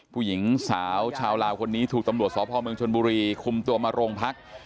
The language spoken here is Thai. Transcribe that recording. ผู้หญิงสาวชาวลาวคนนี้ถูกตำรวจสพเมืองชนบุรีคุมตัวมาโรงพัก